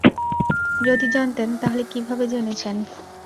যদি জানতেন, তাহলে কীভাবে জেনেছেন?